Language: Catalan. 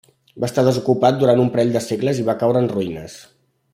Va estar desocupat durant un parell de segles i va caure en ruïnes.